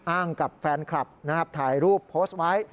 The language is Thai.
กับแฟนคลับนะครับถ่ายรูปโพสต์ไว้